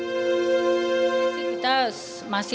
kita masih dalam pembahasan ya kemarin itu kan saya sudah sampai ke sana